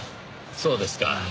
そうですか。